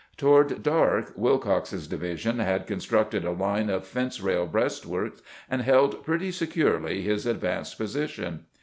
Toward dark Willcox's division had constructed a line of fence rail breastworks, and held pretty securely his advanced position.